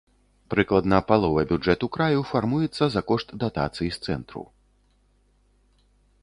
Прыкладна палова бюджэту краю фармуецца за кошт датацый з цэнтру.